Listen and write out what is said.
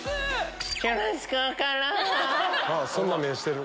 そんな目してる。